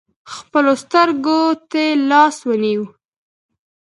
خپلو سترکو تې لاس ونیوئ .